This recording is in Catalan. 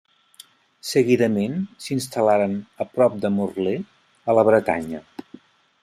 Seguidament, s'instal·laren a prop de Morlaix, a la Bretanya.